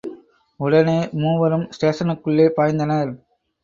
உடனே மூவரும் ஸ்டேஷனுக்குள்ளே பாய்ந்தனர்.